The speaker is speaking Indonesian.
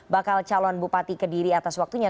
bakal calon bupati ke diri atas waktunya